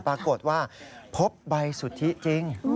ปรากฏว่าพบใบสุทธิจริง